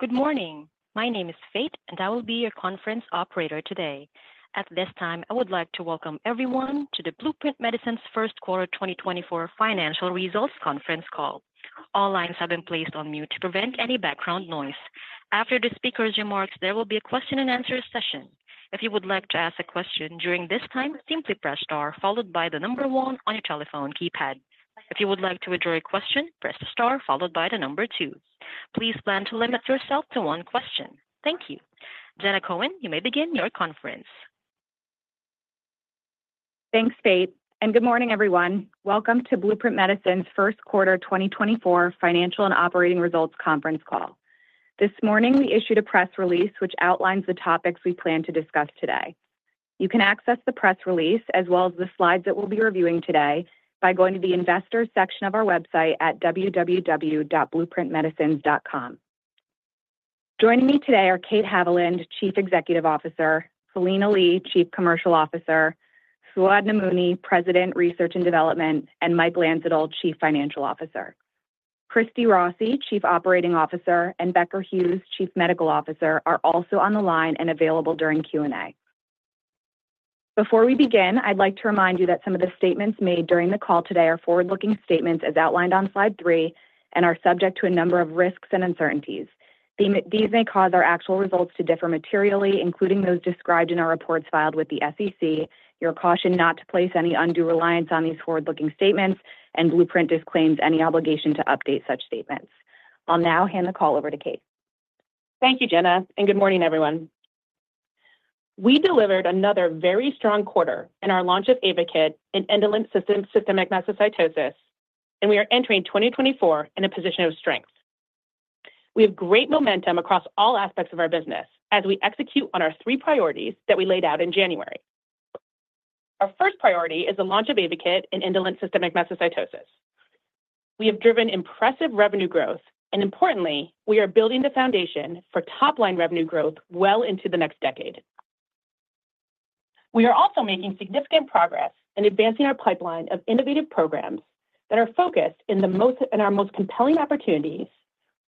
Good morning. My name is Faith, and I will be your conference operator today. At this time, I would like to welcome everyone to the Blueprint Medicines' first quarter 2024 financial results conference call. All lines have been placed on mute to prevent any background noise. After the speaker's remarks, there will be a question and answer session. If you would like to ask a question during this time, simply press Star followed by the number one on your telephone keypad. If you would like to withdraw your question, press Star followed by the number two. Please plan to limit yourself to one question. Thank you. Jenna Cohen, you may begin your conference. Thanks, Faith, and good morning, everyone. Welcome to Blueprint Medicines' first quarter 2024 financial and operating results conference call. This morning, we issued a press release, which outlines the topics we plan to discuss today. You can access the press release, as well as the slides that we'll be reviewing today, by going to the investors section of our website at www.blueprintmedicines.com. Joining me today are Kate Haviland, Chief Executive Officer, Philina Lee, Chief Commercial Officer, Fouad Namouni, President, Research and Development, and Mike Landsittel, Chief Financial Officer. Christy Rossi, Chief Operating Officer, and Becker Hewes, Chief Medical Officer, are also on the line and available during Q&A. Before we begin, I'd like to remind you that some of the statements made during the call today are forward-looking statements, as outlined on slide three, and are subject to a number of risks and uncertainties. Thema... These may cause our actual results to differ materially, including those described in our reports filed with the SEC. You are cautioned not to place any undue reliance on these forward-looking statements, and Blueprint disclaims any obligation to update such statements. I'll now hand the call over to Kate. Thank you, Jenna, and good morning, everyone. We delivered another very strong quarter in our launch of AYVAKIT in indolent systemic mastocytosis, and we are entering 2024 in a position of strength. We have great momentum across all aspects of our business as we execute on our three priorities that we laid out in January. Our first priority is the launch of AYVAKIT in indolent systemic mastocytosis. We have driven impressive revenue growth, and importantly, we are building the foundation for top-line revenue growth well into the next decade. We are also making significant progress in advancing our pipeline of innovative programs that are focused in the most... in our most compelling opportunities,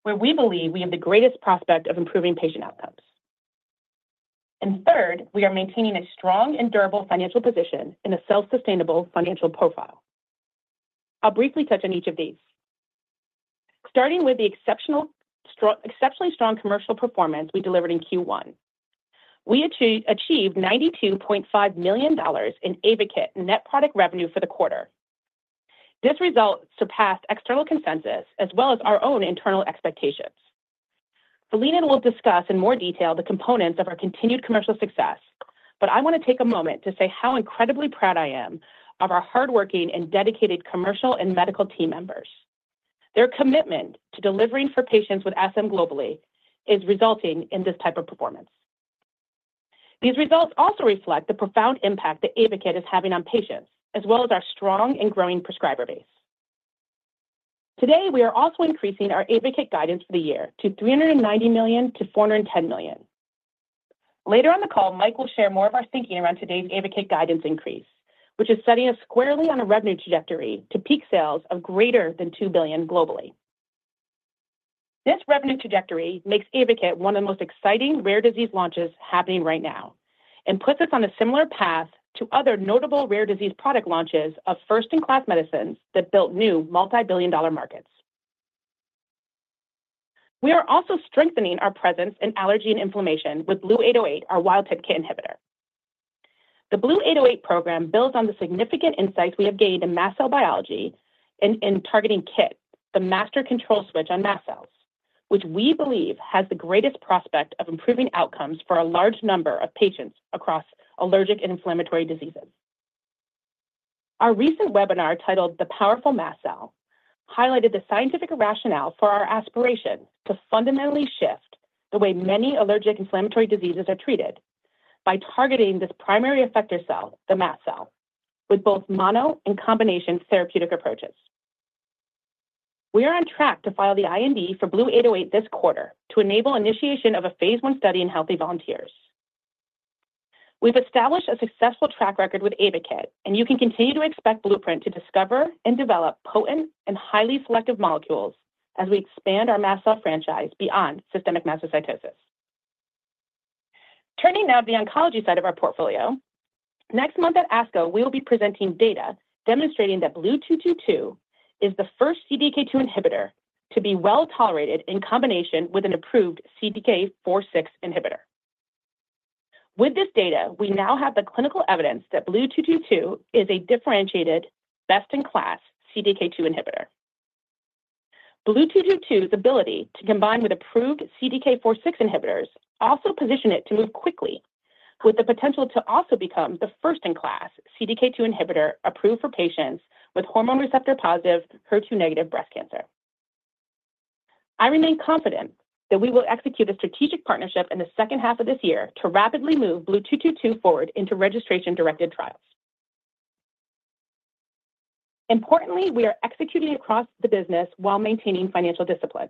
where we believe we have the greatest prospect of improving patient outcomes. And third, we are maintaining a strong and durable financial position and a self-sustainable financial profile. I'll briefly touch on each of these. Starting with the exceptionally strong commercial performance we delivered in Q1, we achieved $92.5 million in AYVAKIT net product revenue for the quarter. This result surpassed external consensus as well as our own internal expectations. Philina will discuss in more detail the components of our continued commercial success, but I want to take a moment to say how incredibly proud I am of our hardworking and dedicated commercial and medical team members. Their commitment to delivering for patients with SM globally is resulting in this type of performance. These results also reflect the profound impact that AYVAKIT is having on patients, as well as our strong and growing prescriber base. Today, we are also increasing our AYVAKIT guidance for the year to $390 million-$410 million. Later on the call, Mike will share more of our thinking around today's AYVAKIT guidance increase, which is setting us squarely on a revenue trajectory to peak sales of greater than $2 billion globally. This revenue trajectory makes AYVAKIT one of the most exciting rare disease launches happening right now and puts us on a similar path to other notable rare disease product launches of first-in-class medicines that built new multi-billion-dollar markets. We are also strengthening our presence in allergy and inflammation with BLU-808, our wild-type KIT inhibitor. The BLU-808 program builds on the significant insights we have gained in mast cell biology in targeting KIT, the master control switch on mast cells, which we believe has the greatest prospect of improving outcomes for a large number of patients across allergic and inflammatory diseases. Our recent webinar, titled The Powerful Mast Cell, highlighted the scientific rationale for our aspiration to fundamentally shift the way many allergic inflammatory diseases are treated by targeting this primary effector cell, the mast cell, with both mono and combination therapeutic approaches. We are on track to file the IND for BLU-808 this quarter to enable initiation of a phase I study in healthy volunteers. We've established a successful track record with AYVAKIT, and you can continue to expect Blueprint to discover and develop potent and highly selective molecules as we expand our mast cell franchise beyond systemic mastocytosis. Turning now to the oncology side of our portfolio. Next month at ASCO, we will be presenting data demonstrating that BLU-222 is the first CDK2 inhibitor to be well tolerated in combination with an approved CDK4/6 inhibitor. With this data, we now have the clinical evidence that BLU-222 is a differentiated best-in-class CDK2 inhibitor. BLU-222's ability to combine with approved CDK4/6 inhibitors also position it to move quickly, with the potential to also become the first-in-class CDK2 inhibitor approved for patients with hormone receptor-positive, HER2-negative breast cancer. I remain confident that we will execute a strategic partnership in the second half of this year to rapidly move BLU-222 forward into registration-directed trials. Importantly, we are executing across the business while maintaining financial discipline.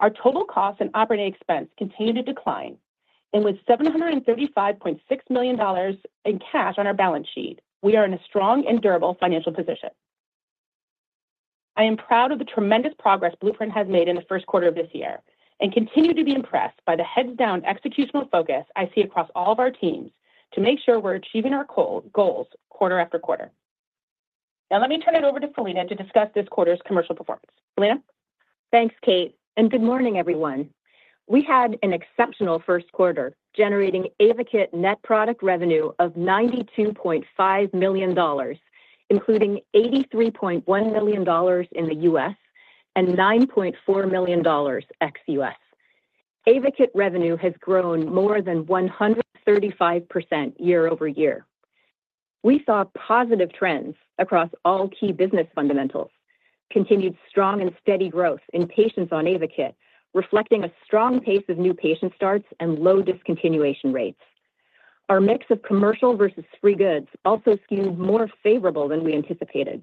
Our total costs and operating expense continue to decline, and with $735.6 million in cash on our balance sheet, we are in a strong and durable financial position.... I am proud of the tremendous progress Blueprint has made in the first quarter of this year, and continue to be impressed by the heads-down executional focus I see across all of our teams to make sure we're achieving our goal, goals quarter after quarter. Now, let me turn it over to Philina to discuss this quarter's commercial performance. Philina? Thanks, Kate, and good morning, everyone. We had an exceptional first quarter, generating AYVAKIT net product revenue of $92.5 million, including $83.1 million in the U.S. and $9.4 million ex-U.S. AYVAKIT revenue has grown more than 135% year-over-year. We saw positive trends across all key business fundamentals, continued strong and steady growth in patients on AYVAKIT, reflecting a strong pace of new patient starts and low discontinuation rates. Our mix of commercial versus free goods also skewed more favorable than we anticipated.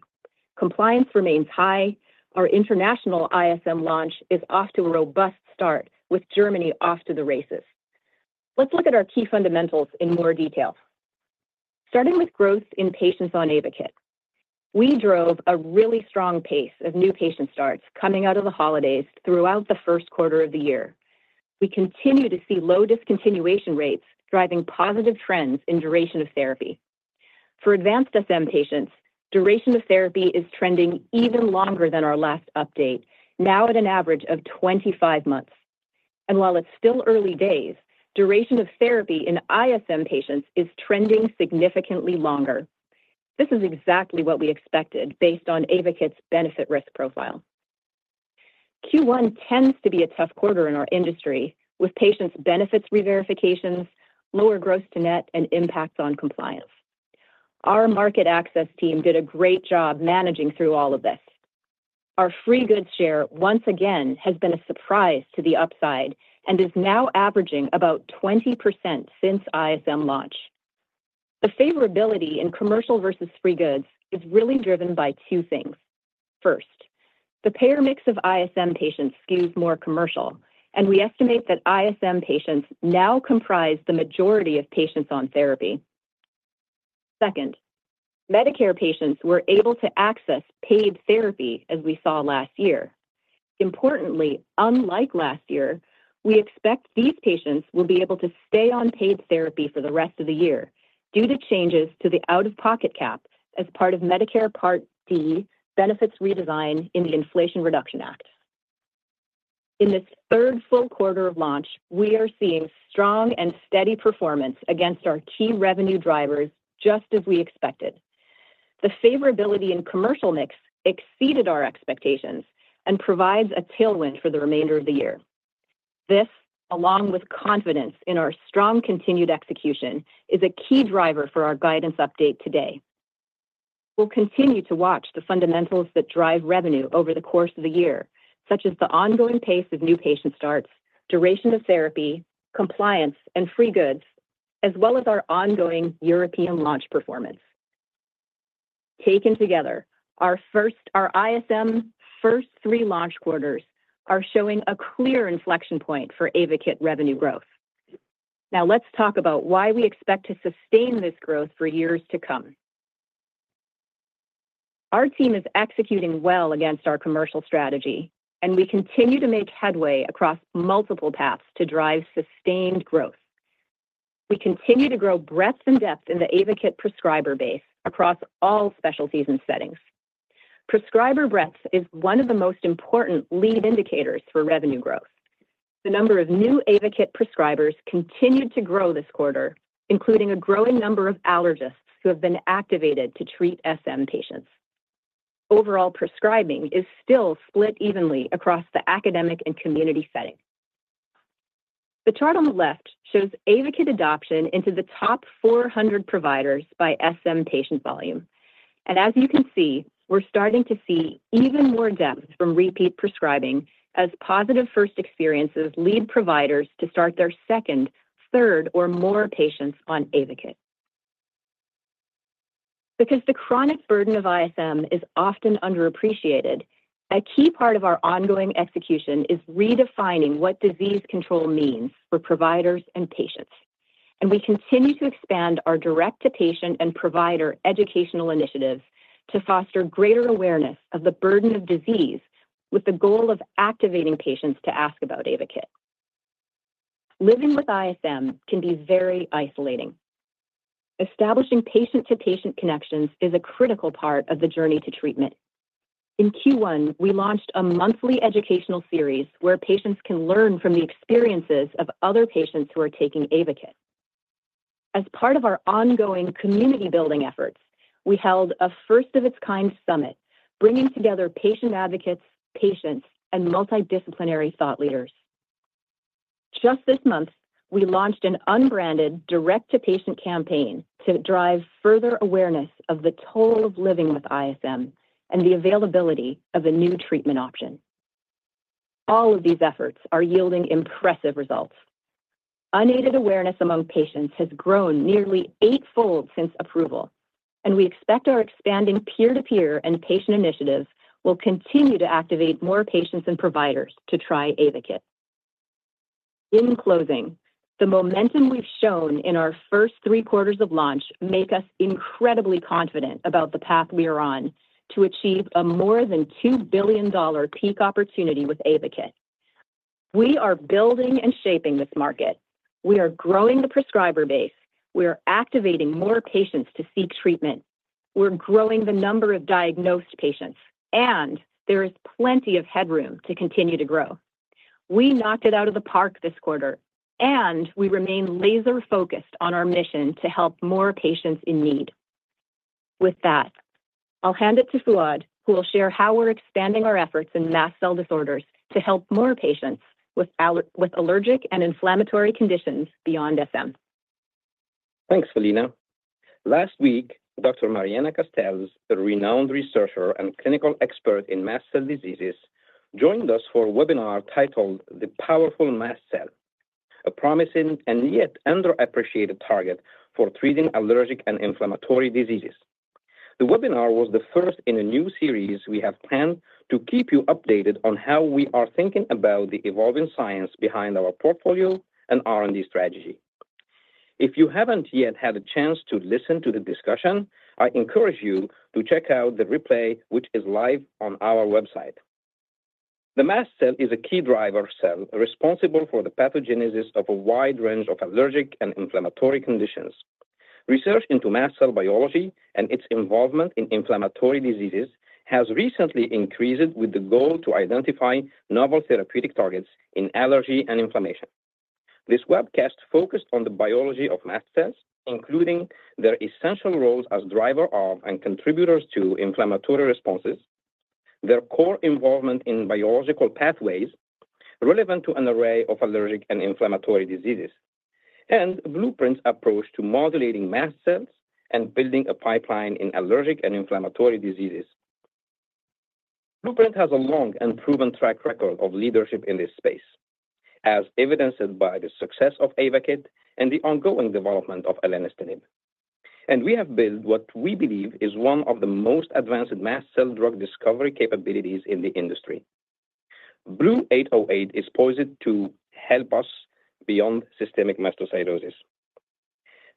Compliance remains high. Our international ISM launch is off to a robust start, with Germany off to the races. Let's look at our key fundamentals in more detail. Starting with growth in patients on AYVAKIT, we drove a really strong pace of new patient starts coming out of the holidays throughout the first quarter of the year. We continue to see low discontinuation rates driving positive trends in duration of therapy. For advanced SM patients, duration of therapy is trending even longer than our last update, now at an average of 25 months. While it's still early days, duration of therapy in ISM patients is trending significantly longer. This is exactly what we expected based on AYVAKIT's benefit risk profile. Q1 tends to be a tough quarter in our industry, with patients' benefits reverifications, lower gross to net, and impacts on compliance. Our market access team did a great job managing through all of this. Our free goods share once again has been a surprise to the upside and is now averaging about 20% since ISM launch. The favorability in commercial versus free goods is really driven by two things. First, the payer mix of ISM patients skews more commercial, and we estimate that ISM patients now comprise the majority of patients on therapy. Second, Medicare patients were able to access paid therapy, as we saw last year. Importantly, unlike last year, we expect these patients will be able to stay on paid therapy for the rest of the year due to changes to the out-of-pocket cap as part of Medicare Part D benefits redesign in the Inflation Reduction Act. In this third full quarter of launch, we are seeing strong and steady performance against our key revenue drivers, just as we expected. The favorability in commercial mix exceeded our expectations and provides a tailwind for the remainder of the year. This, along with confidence in our strong continued execution, is a key driver for our guidance update today. We'll continue to watch the fundamentals that drive revenue over the course of the year, such as the ongoing pace of new patient starts, duration of therapy, compliance, and free goods, as well as our ongoing European launch performance. Taken together, our first three ISM launch quarters are showing a clear inflection point for AYVAKIT revenue growth. Now, let's talk about why we expect to sustain this growth for years to come. Our team is executing well against our commercial strategy, and we continue to make headway across multiple paths to drive sustained growth. We continue to grow breadth and depth in the AYVAKIT prescriber base across all specialties and settings. Prescriber breadth is one of the most important lead indicators for revenue growth. The number of new AYVAKIT prescribers continued to grow this quarter, including a growing number of allergists who have been activated to treat SM patients. Overall, prescribing is still split evenly across the academic and community setting. The chart on the left shows AYVAKIT adoption into the top 400 providers by SM patient volume. As you can see, we're starting to see even more depth from repeat prescribing as positive first experiences lead providers to start their second, third, or more patients on AYVAKIT. Because the chronic burden of ISM is often underappreciated, a key part of our ongoing execution is redefining what disease control means for providers and patients. We continue to expand our direct-to-patient and provider educational initiatives to foster greater awareness of the burden of disease, with the goal of activating patients to ask about AYVAKIT. Living with ISM can be very isolating. Establishing patient-to-patient connections is a critical part of the journey to treatment. In Q1, we launched a monthly educational series where patients can learn from the experiences of other patients who are taking AYVAKIT. As part of our ongoing community-building efforts, we held a first-of-its-kind summit, bringing together patient advocates, patients, and multidisciplinary thought leaders. Just this month, we launched an unbranded direct-to-patient campaign to drive further awareness of the toll of living with ISM and the availability of a new treatment option. All of these efforts are yielding impressive results. Unaided awareness among patients has grown nearly eightfold since approval, and we expect our expanding peer-to-peer and patient initiatives will continue to activate more patients and providers to try AYVAKIT. In closing, the momentum we've shown in our first three quarters of launch make us incredibly confident about the path we are on to achieve a more than $2 billion peak opportunity with AYVAKIT. We are building and shaping this market. We are growing the prescriber base. We are activating more patients to seek treatment. We're growing the number of diagnosed patients, and there is plenty of headroom to continue to grow. We knocked it out of the park this quarter, and we remain laser-focused on our mission to help more patients in need. With that, I'll hand it to Fouad, who will share how we're expanding our efforts in mast cell disorders to help more patients with allergic and inflammatory conditions beyond SM. Thanks, Philina. Last week, Dr. Mariana Castells, a renowned researcher and clinical expert in mast cell diseases, joined us for a webinar titled The Powerful Mast Cell: A Promising and Yet Underappreciated Target for Treating Allergic and Inflammatory Diseases. The webinar was the first in a new series we have planned to keep you updated on how we are thinking about the evolving science behind our portfolio and R&D strategy. If you haven't yet had a chance to listen to the discussion, I encourage you to check out the replay, which is live on our website. The mast cell is a key driver cell responsible for the pathogenesis of a wide range of allergic and inflammatory conditions. Research into mast cell biology and its involvement in inflammatory diseases has recently increased with the goal to identify novel therapeutic targets in allergy and inflammation. This webcast focused on the biology of mast cells, including their essential roles as driver of and contributors to inflammatory responses, their core involvement in biological pathways relevant to an array of allergic and inflammatory diseases, and Blueprint's approach to modulating mast cells and building a pipeline in allergic and inflammatory diseases. Blueprint has a long and proven track record of leadership in this space, as evidenced by the success of AYVAKIT and the ongoing development of elenestinib. We have built what we believe is one of the most advanced mast cell drug discovery capabilities in the industry. BLU-808 is poised to help us beyond systemic mastocytosis.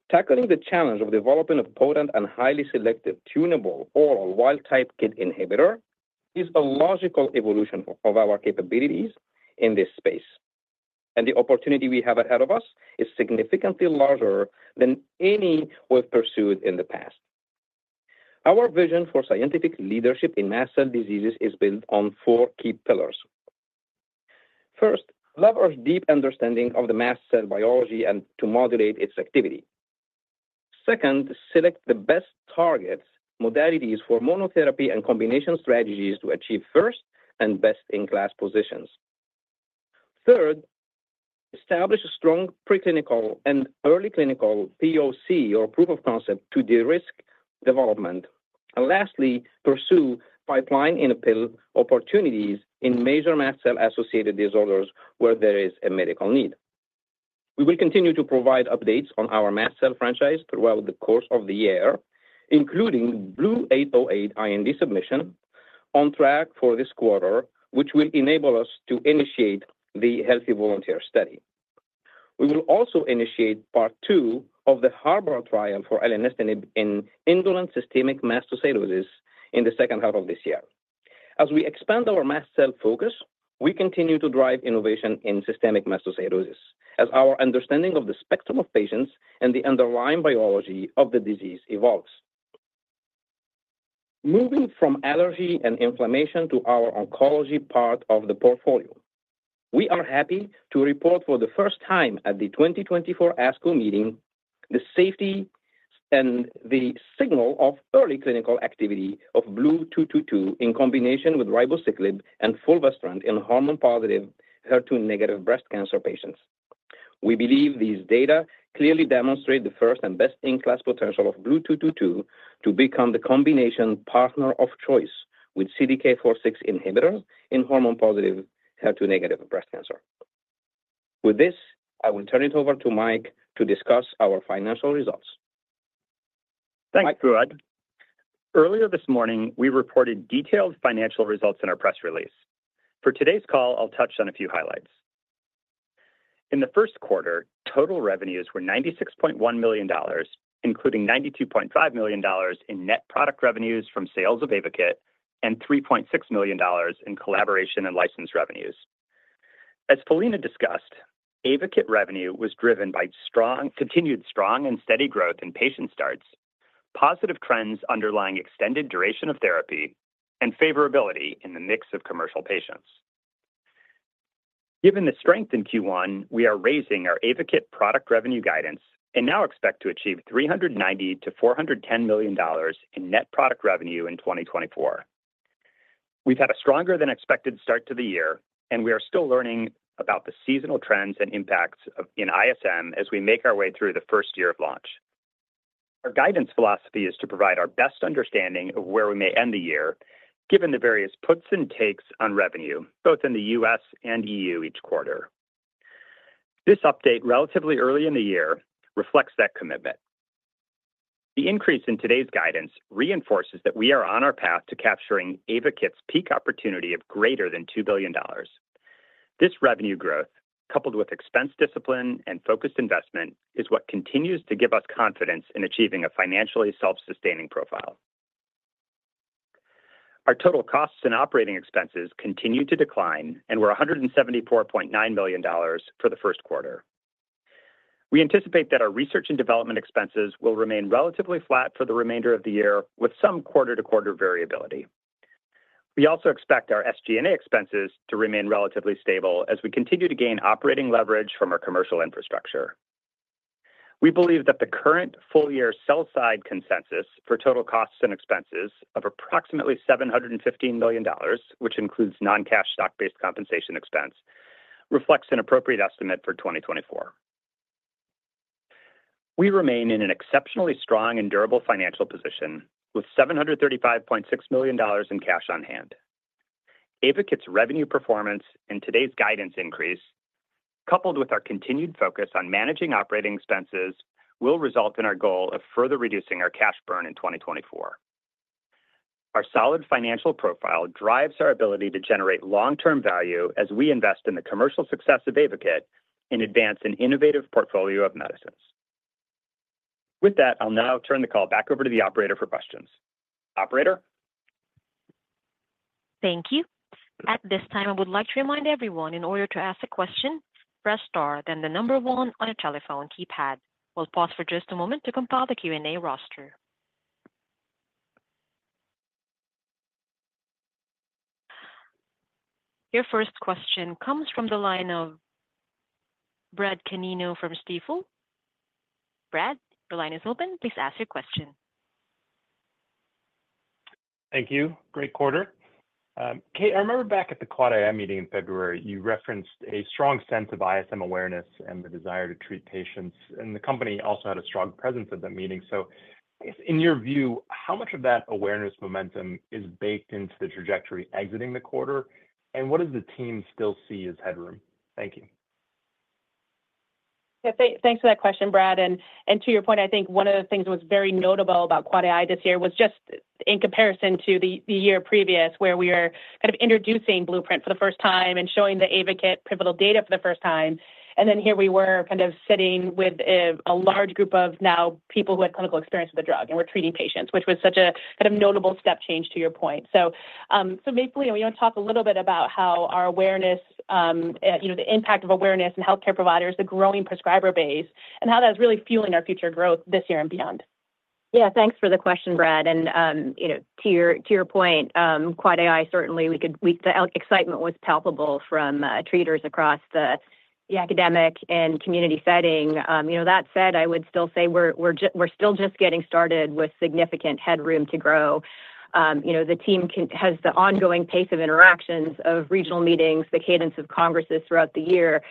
Tackling the challenge of developing a potent and highly selective, tunable, oral wild-type KIT inhibitor is a logical evolution of our capabilities in this space, and the opportunity we have ahead of us is significantly larger than any we've pursued in the past. Our vision for scientific leadership in mast cell diseases is built on four key pillars. First, leverage deep understanding of the mast cell biology and to modulate its activity. Second, select the best targets, modalities for monotherapy and combination strategies to achieve first and best-in-class positions. Third, establish a strong preclinical and early clinical POC, or proof of concept, to de-risk development. And lastly, pursue pipeline-in-a-pill opportunities in major mast cell-associated disorders where there is a medical need. We will continue to provide updates on our mast cell franchise throughout the course of the year, including BLU-808 IND submission on track for this quarter, which will enable us to initiate the healthy volunteer study. We will also initiate part two of the HARBOR trial for elenestinib in indolent systemic mastocytosis in the second half of this year. As we expand our mast cell focus, we continue to drive innovation in systemic mastocytosis as our understanding of the spectrum of patients and the underlying biology of the disease evolves. Moving from allergy and inflammation to our oncology part of the portfolio, we are happy to report for the first time at the 2024 ASCO meeting, the safety and the signal of early clinical activity of BLU-222 in combination with ribociclib and fulvestrant in hormone-positive, HER2-negative breast cancer patients. We believe these data clearly demonstrate the first and best-in-class potential of BLU-222 to become the combination partner of choice with CDK4/6 inhibitor in hormone-positive, HER2-negative breast cancer. With this, I will turn it over to Mike to discuss our financial results. Mike? Thanks, Fouad. Earlier this morning, we reported detailed financial results in our press release. For today's call, I'll touch on a few highlights. In the first quarter, total revenues were $96.1 million, including $92.5 million in net product revenues from sales of AYVAKIT and $3.6 million in collaboration and license revenues. As Philina discussed, AYVAKIT revenue was driven by strong, continued strong and steady growth in patient starts, positive trends underlying extended duration of therapy, and favorability in the mix of commercial patients. Given the strength in Q1, we are raising our AYVAKIT product revenue guidance and now expect to achieve $390 million-$410 million in net product revenue in 2024. We've had a stronger than expected start to the year, and we are still learning about the seasonal trends and impacts of in ISM as we make our way through the first year of launch. Our guidance philosophy is to provide our best understanding of where we may end the year, given the various puts and takes on revenue, both in the U.S. and E.U. each quarter. This update, relatively early in the year, reflects that commitment. The increase in today's guidance reinforces that we are on our path to capturing AYVAKIT's peak opportunity of greater than $2 billion. This revenue growth, coupled with expense discipline and focused investment, is what continues to give us confidence in achieving a financially self-sustaining profile. Our total costs and operating expenses continue to decline and were $174.9 million for the first quarter. We anticipate that our research and development expenses will remain relatively flat for the remainder of the year, with some quarter-to-quarter variability. We also expect our SG&A expenses to remain relatively stable as we continue to gain operating leverage from our commercial infrastructure. We believe that the current full-year sell-side consensus for total costs and expenses of approximately $715 million, which includes non-cash stock-based compensation expense, reflects an appropriate estimate for 2024. We remain in an exceptionally strong and durable financial position, with $735.6 million in cash on hand. AYVAKIT's revenue performance and today's guidance increase, coupled with our continued focus on managing operating expenses, will result in our goal of further reducing our cash burn in 2024. Our solid financial profile drives our ability to generate long-term value as we invest in the commercial success of AYVAKIT and advance an innovative portfolio of medicines. With that, I'll now turn the call back over to the operator for questions. Operator? Thank you. At this time, I would like to remind everyone, in order to ask a question, press Star, then the number one on your telephone keypad. We'll pause for just a moment to compile the Q&A roster. Your first question comes from the line of Brad Canino from Stifel. Brad, your line is open. Please ask your question. Thank you. Great quarter. Kate, I remember back at the Quad AI meeting in February, you referenced a strong sense of ISM awareness and the desire to treat patients, and the company also had a strong presence at that meeting. So I guess in your view, how much of that awareness momentum is baked into the trajectory exiting the quarter, and what does the team still see as headroom? Thank you. Yeah, thanks for that question, Brad. And to your point, I think one of the things that was very notable about Quad AI this year was just in comparison to the year previous, where we are kind of introducing Blueprint for the first time and showing the AYVAKIT pivotal data for the first time. And then here we were kind of sitting with a large group of now people who had clinical experience with the drug and were treating patients, which was such a kind of notable step change to your point. So, maybe you want to talk a little bit about how our awareness, you know, the impact of awareness and healthcare providers, the growing prescriber base, and how that's really fueling our future growth this year and beyond. Yeah, thanks for the question, Brad. You know, to your point, Quad AI, certainly the excitement was palpable from treaters across the academic and community setting. You know, that said, I would still say we're still just getting started with significant headroom to grow. You know, the team has the ongoing pace of interactions of regional meetings, the cadence of congresses throughout the year.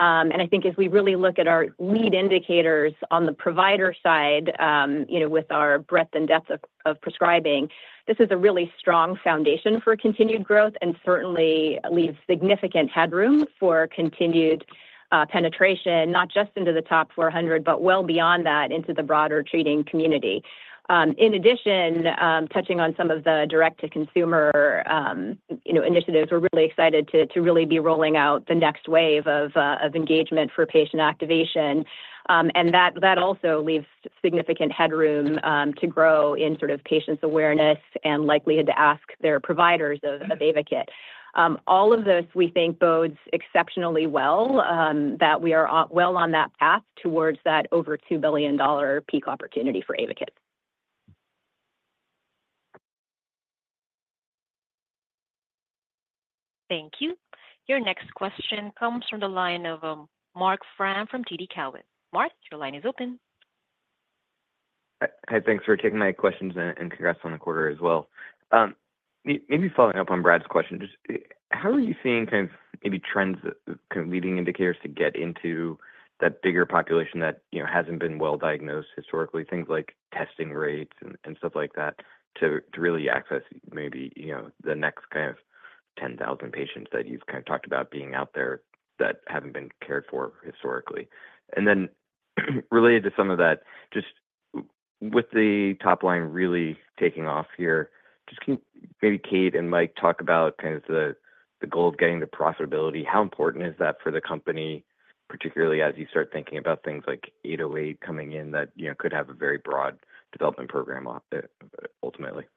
I think if we really look at our lead indicators on the provider side, you know, with our breadth and depth of prescribing, this is a really strong foundation for continued growth and certainly leaves significant headroom for continued penetration, not just into the top 400, but well beyond that, into the broader treating community. In addition, touching on some of the direct to consumer, you know, initiatives, we're really excited to, to really be rolling out the next wave of, of engagement for patient activation. And that, that also leaves significant headroom, to grow in sort of patients' awareness and likelihood to ask their providers of, of AYVAKIT. All of this, we think, bodes exceptionally well that we are on well on that path towards that over $2 billion peak opportunity for AYVAKIT. Thank you. Your next question comes from the line of, Marc Frahm from TD Cowen. Marc, your line is open. Hi, thanks for taking my questions and congrats on the quarter as well. Maybe following up on Brad's question, just how are you seeing kind of maybe trends, kind of, leading indicators to get into that bigger population that, you know, hasn't been well diagnosed historically? Things like testing rates and, and stuff like that, to, to really access maybe, you know, the next kind of 10,000 patients that you've kind of talked about being out there that haven't been cared for historically. And then related to some of that, just with the top line really taking off here, just can maybe Kate and Mike talk about kind of the, the goal of getting to profitability? How important is that for the company, particularly as you start thinking about things like BLU-808 coming in, that, you know, could have a very broad development program off it, ultimately? Yeah,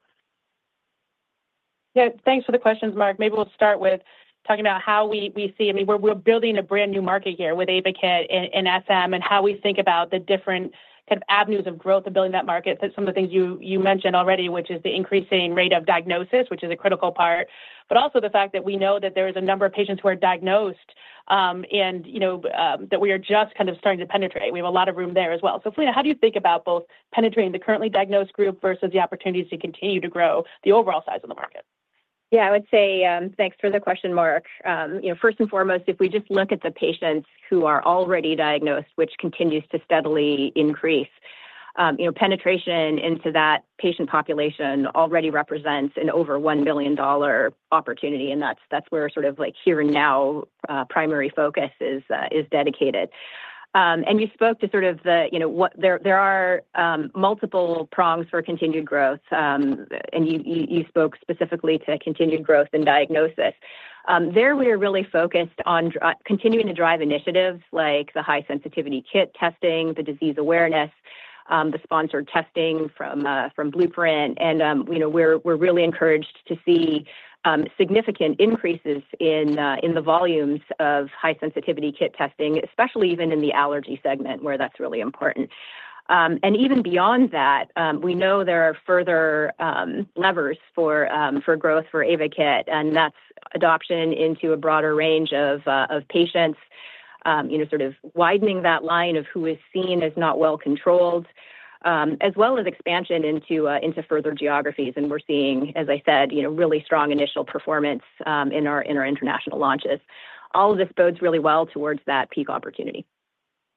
thanks for the questions, Marc. Maybe we'll start with talking about how we see. I mean, we're building a brand new market here with AYVAKIT in SM and how we think about the different kind of avenues of growth of building that market. So some of the things you mentioned already, which is the increasing rate of diagnosis, which is a critical part, but also the fact that we know that there is a number of patients who are diagnosed, and, you know, that we are just kind of starting to penetrate. We have a lot of room there as well. So Philina, how do you think about both penetrating the currently diagnosed group versus the opportunities to continue to grow the overall size of the market? Yeah, I would say, thanks for the question, Marc. You know, first and foremost, if we just look at the patients who are already diagnosed, which continues to steadily increase, you know, penetration into that patient population already represents an over $1 billion opportunity, and that's, that's where sort of like here and now, primary focus is, is dedicated. ... and you spoke to sort of the, you know, what there are multiple prongs for continued growth, and you spoke specifically to continued growth in diagnosis. There, we are really focused on continuing to drive initiatives like the high-sensitivity KIT testing, the disease awareness, the sponsored testing from Blueprint. And, you know, we're really encouraged to see significant increases in the volumes of high-sensitivity KIT testing, especially even in the allergy segment, where that's really important. And even beyond that, we know there are further levers for growth for AYVAKIT, and that's adoption into a broader range of patients, you know, sort of widening that line of who is seen as not well controlled, as well as expansion into further geographies. We're seeing, as I said, you know, really strong initial performance in our international launches. All of this bodes really well towards that peak opportunity.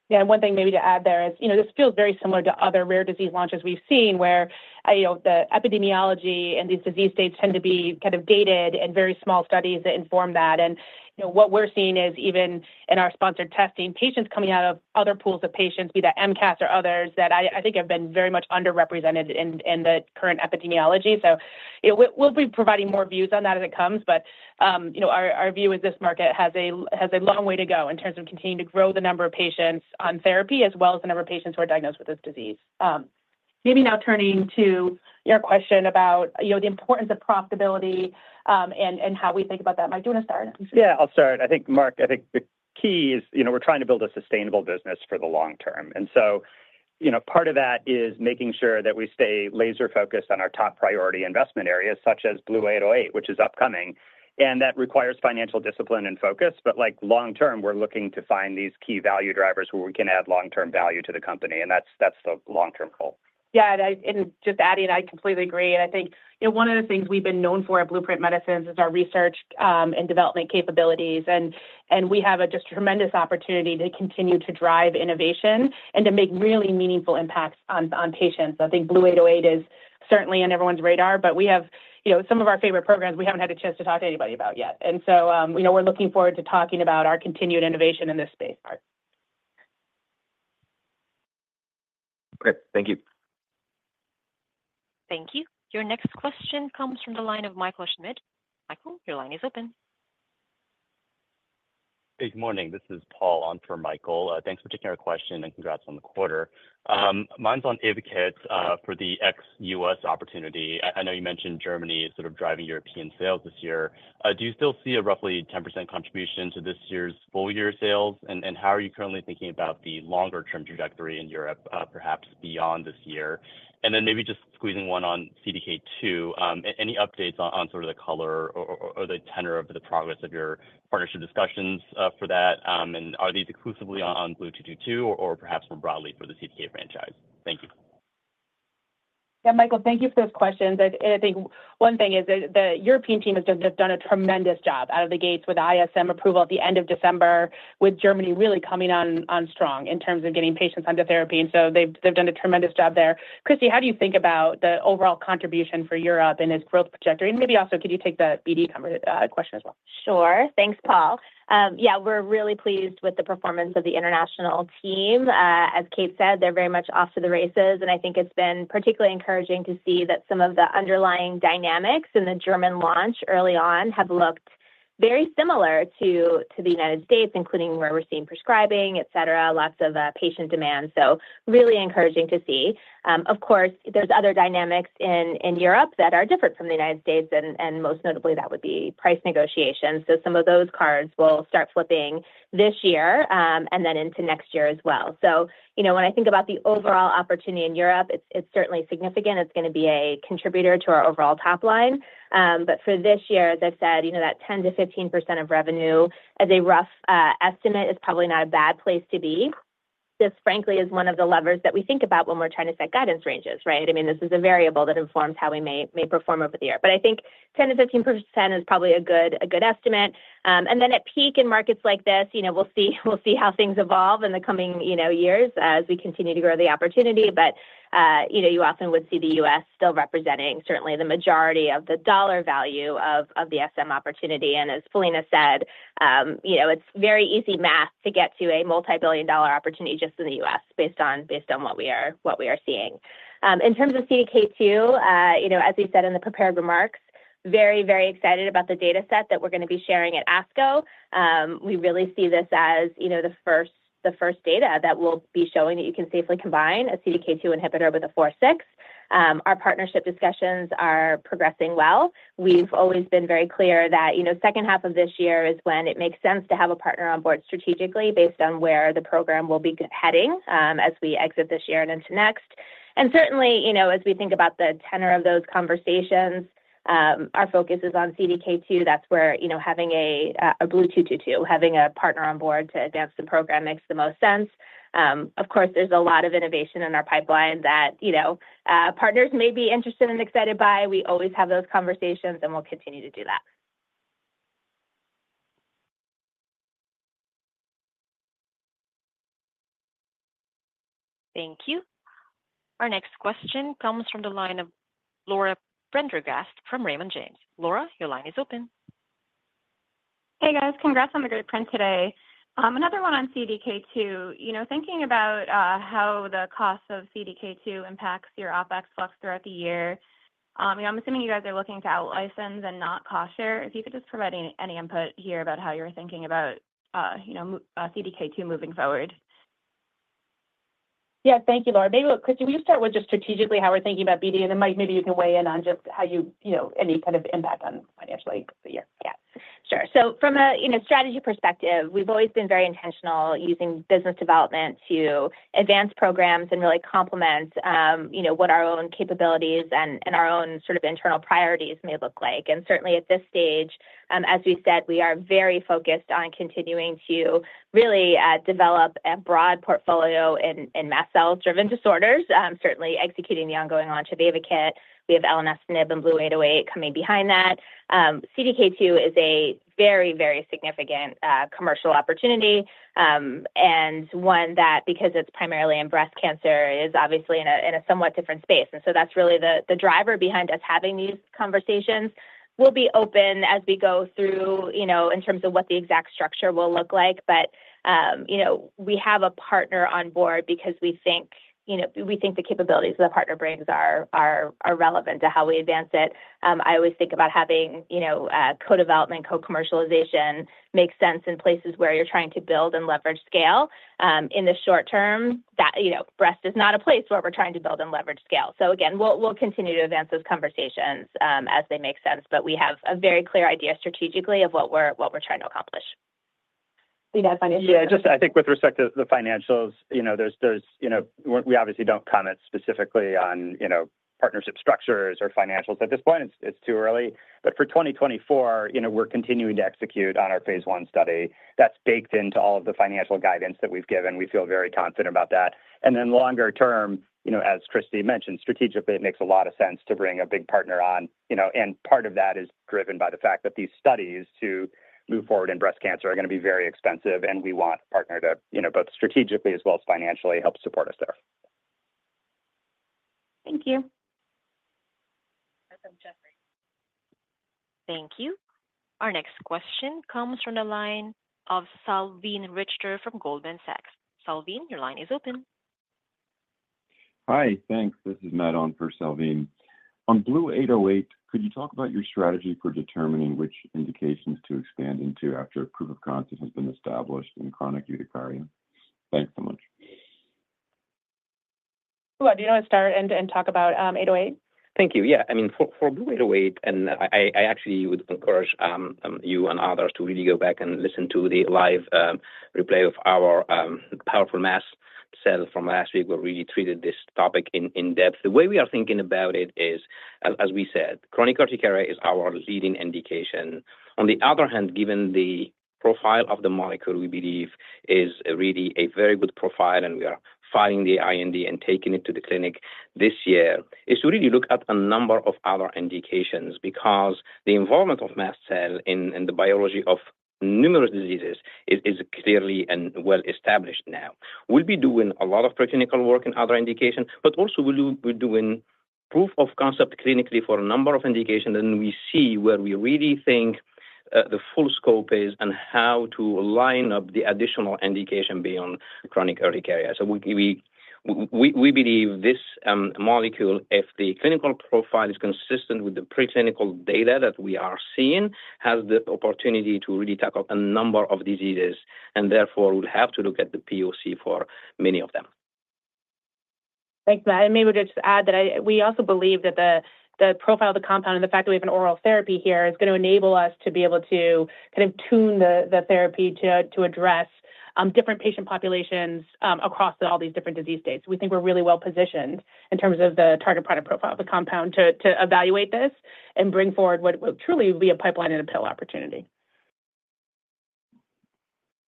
Yeah, and one thing maybe to add there is, you know, this feels very similar to other rare disease launches we've seen, where, you know, the epidemiology and these disease states tend to be kind of dated and very small studies that inform that. And, you know, what we're seeing is even in our sponsored testing, patients coming out of other pools of patients, be that MCAS or others, that I think have been very much underrepresented in the current epidemiology. So yeah, we'll be providing more views on that as it comes. But, you know, our view is this market has a long way to go in terms of continuing to grow the number of patients on therapy as well as the number of patients who are diagnosed with this disease. Maybe now turning to your question about, you know, the importance of profitability, and how we think about that. Mike, do you want to start? Yeah, I'll start. I think, Marc, I think the key is, you know, we're trying to build a sustainable business for the long term. And so, you know, part of that is making sure that we stay laser-focused on our top priority investment areas, such as BLU-808, which is upcoming. And that requires financial discipline and focus, but like long term, we're looking to find these key value drivers where we can add long-term value to the company, and that's, that's the long-term goal. Yeah, and just adding, I completely agree. I think, you know, one of the things we've been known for at Blueprint Medicines is our research and development capabilities, and we have a just tremendous opportunity to continue to drive innovation and to make really meaningful impacts on patients. I think BLU-808 is certainly on everyone's radar, but we have, you know, some of our favorite programs we haven't had a chance to talk to anybody about yet. And so, we know we're looking forward to talking about our continued innovation in this space. Great. Thank you. Thank you. Your next question comes from the line of Michael Schmidt. Michael, your line is open. Good morning. This is Paul on for Michael. Thanks for taking our question, and congrats on the quarter. Mine's on AYVAKIT for the ex-U.S. opportunity. I know you mentioned Germany is sort of driving European sales this year. Do you still see a roughly 10% contribution to this year's full year sales? And how are you currently thinking about the longer-term trajectory in Europe, perhaps beyond this year? And then maybe just squeezing one on CDK2. Any updates on sort of the color or the tenor of the progress of your partnership discussions for that? And are these exclusively on BLU-222 or perhaps more broadly for the CDK franchise? Thank you. Yeah, Michael, thank you for those questions. And I think one thing is the, the European team has just done a tremendous job out of the gates with ISM approval at the end of December, with Germany really coming on, on strong in terms of getting patients onto therapy. And so they've, they've done a tremendous job there. Christy, how do you think about the overall contribution for Europe and its growth trajectory? And maybe also, could you take the BD cover question as well? Sure. Thanks, Paul. Yeah, we're really pleased with the performance of the international team. As Kate said, they're very much off to the races, and I think it's been particularly encouraging to see that some of the underlying dynamics in the German launch early on have looked very similar to the United States, including where we're seeing prescribing, et cetera, lots of patient demand. So really encouraging to see. Of course, there's other dynamics in Europe that are different from the United States, and most notably, that would be price negotiations. So some of those cards will start flipping this year, and then into next year as well. You know, when I think about the overall opportunity in Europe, it's certainly significant. It's gonna be a contributor to our overall top line. But for this year, as I said, you know, that 10%-15% of revenue as a rough estimate is probably not a bad place to be. This, frankly, is one of the levers that we think about when we're trying to set guidance ranges, right? I mean, this is a variable that informs how we may, may perform over the year. But I think 10%-15% is probably a good, a good estimate. And then at peak in markets like this, you know, we'll see, we'll see how things evolve in the coming, you know, years as we continue to grow the opportunity. But, you know, you often would see the U.S. still representing certainly the majority of the dollar value of, of the SM opportunity. As Philina said, you know, it's very easy math to get to a multi-billion-dollar opportunity just in the U.S. based on what we are seeing. In terms of CDK2, you know, as we said in the prepared remarks, very, very excited about the dataset that we're gonna be sharing at ASCO. We really see this as, you know, the first data that will be showing that you can safely combine a CDK2 inhibitor with a 4/6. Our partnership discussions are progressing well. We've always been very clear that, you know, second half of this year is when it makes sense to have a partner on board strategically based on where the program will be heading, as we exit this year and into next. Certainly, you know, as we think about the tenor of those conversations, our focus is on CDK2. That's where, you know, having a, a BLU-222, having a partner on board to advance the program makes the most sense. Of course, there's a lot of innovation in our pipeline that, you know, partners may be interested and excited by. We always have those conversations, and we'll continue to do that.... Thank you. Our next question comes from the line of Laura Prendergast from Raymond James. Laura, your line is open. Hey, guys. Congrats on the great print today. Another one on CDK2. You know, thinking about how the cost of CDK2 impacts your OpEx flux throughout the year. I'm assuming you guys are looking to out-license and not cost share. If you could just provide any input here about how you're thinking about, you know, CDK2 moving forward. Yeah. Thank you, Laura. Maybe, look, Christy, will you start with just strategically how we're thinking about BD, and then, Mike, maybe you can weigh in on just how you... You know, any kind of impact on financially? Yeah. Sure. So from a you know strategy perspective, we've always been very intentional using business development to advance programs and really complement you know what our own capabilities and our own sort of internal priorities may look like. And certainly at this stage as we've said we are very focused on continuing to really develop a broad portfolio in mast cell-driven disorders certainly executing the ongoing launch of AYVAKIT. We have elenestinib and BLU-808 coming behind that. CDK2 is a very very significant commercial opportunity and one that because it's primarily in breast cancer is obviously in a somewhat different space and so that's really the driver behind us having these conversations. We'll be open as we go through, you know, in terms of what the exact structure will look like, but, you know, we have a partner on board because we think, you know, we think the capabilities of the partner brings are, are, are relevant to how we advance it. I always think about having, you know, co-development, co-commercialization make sense in places where you're trying to build and leverage scale. In the short term, that... You know, breast is not a place where we're trying to build and leverage scale. So again, we'll, we'll continue to advance those conversations, as they make sense, but we have a very clear idea strategically of what we're, what we're trying to accomplish. Yeah, financially- Yeah, just I think with respect to the financials, you know, there's, you know... We obviously don't comment specifically on, you know, partnership structures or financials. At this point, it's too early. But for 2024, you know, we're continuing to execute on our phase 1 study. That's baked into all of the financial guidance that we've given. We feel very confident about that. And then longer term, you know, as Christy mentioned, strategically, it makes a lot of sense to bring a big partner on, you know, and part of that is driven by the fact that these studies to move forward in breast cancer are gonna be very expensive, and we want a partner to, you know, both strategically as well as financially, help support us there. Thank you. And then Jeffrey. Thank you. Our next question comes from the line of Salveen Richter from Goldman Sachs. Salveen, your line is open. Hi. Thanks. This is Matt on for Salveen. On BLU-808, could you talk about your strategy for determining which indications to expand into after proof of concept has been established in chronic urticaria? Thanks so much. Well, do you want to start and talk about 808? Thank you. Yeah, I mean, for BLU-808, and I actually would encourage you and others to really go back and listen to the live replay of our powerful mast cell from last week, where we really treated this topic in depth. The way we are thinking about it is, as we said, chronic urticaria is our leading indication. On the other hand, given the profile of the molecule, we believe is really a very good profile, and we are filing the IND and taking it to the clinic this year, is to really look at a number of other indications. Because the involvement of mast cell in the biology of numerous diseases is clearly and well established now. We'll be doing a lot of preclinical work in other indications, but also we're doing proof of concept clinically for a number of indications, and we see where we really think the full scope is and how to line up the additional indication beyond chronic urticaria. So we believe this molecule, if the clinical profile is consistent with the preclinical data that we are seeing, has the opportunity to really tackle a number of diseases, and therefore, we'll have to look at the POC for many of them. Thanks, Matt, and maybe we'll just add that we also believe that the profile of the compound and the fact that we have an oral therapy here is gonna enable us to be able to kind of tune the therapy to address different patient populations across all these different disease states. We think we're really well positioned in terms of the target product profile of the compound to evaluate this and bring forward what will truly be a pipeline and a pill opportunity.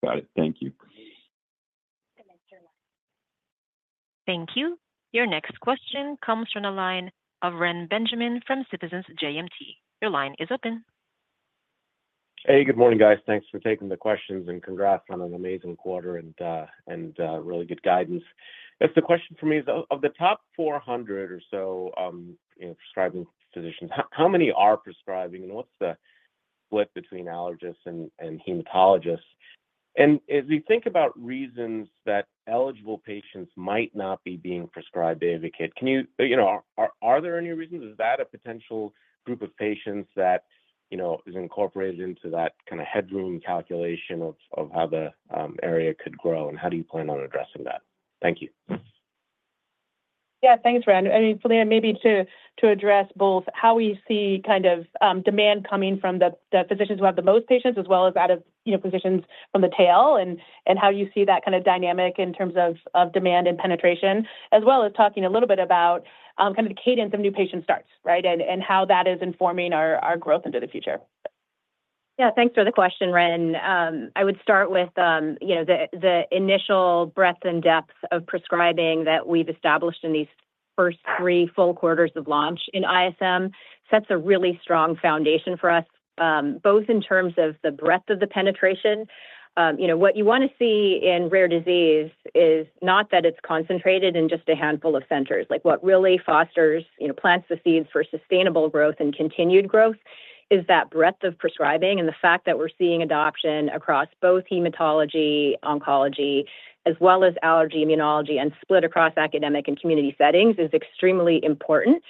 Got it. Thank you. Thank you. Your next question comes from the line of Ren Benjamin from Citizens JMP. Your line is open. Hey, good morning, guys. Thanks for taking the questions, and congrats on an amazing quarter and really good guidance. I guess the question for me is, of the top 400 or so, you know, prescribing physicians, how many are prescribing, and what's the split between allergists and hematologists? And as we think about reasons that eligible patients might not be being prescribed AYVAKIT, can you, you know, are there any reasons? Is that a potential group of patients that, you know, is incorporated into that kind of headroom calculation of how the area could grow, and how do you plan on addressing that? Thank you. Yeah. Thanks, Ren. I mean, Philina, maybe to address both how we see kind of demand coming from the physicians who have the most patients, as well as out of, you know, physicians from the tail, and how you see that kind of dynamic in terms of demand and penetration, as well as talking a little bit about kind of the cadence of new patient starts, right? And how that is informing our growth into the future. Yeah. Thanks for the question, Ren. I would start with, you know, the initial breadth and depth of prescribing that we've established in these-... first three full quarters of launch in ISM sets a really strong foundation for us, both in terms of the breadth of the penetration. You know, what you want to see in rare disease is not that it's concentrated in just a handful of centers. Like, what really fosters, you know, plants the seeds for sustainable growth and continued growth is that breadth of prescribing and the fact that we're seeing adoption across both hematology, oncology, as well as allergy, immunology, and split across academic and community settings is extremely important,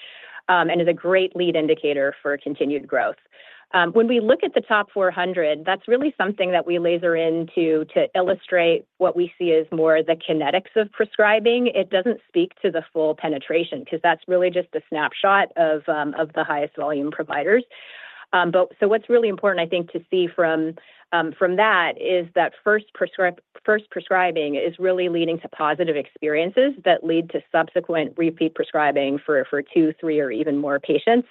and is a great lead indicator for continued growth. When we look at the top 400, that's really something that we laser in to, to illustrate what we see as more the kinetics of prescribing. It doesn't speak to the full penetration, 'cause that's really just a snapshot of the highest volume providers. But so what's really important, I think, to see from that, is that first prescribing is really leading to positive experiences that lead to subsequent repeat prescribing for two, three, or even more patients.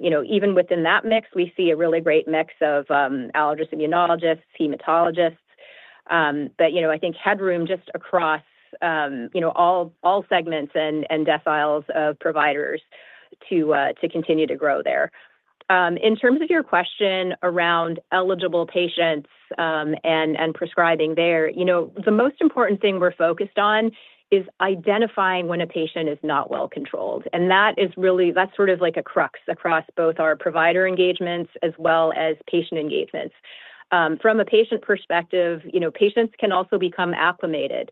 You know, even within that mix, we see a really great mix of allergists, immunologists, hematologists, but you know, I think headroom just across all segments and deciles of providers to continue to grow there. In terms of your question around eligible patients and prescribing there, you know, the most important thing we're focused on is identifying when a patient is not well controlled, and that is really... That's sort of like a crux across both our provider engagements as well as patient engagements. From a patient perspective, you know, patients can also become acclimated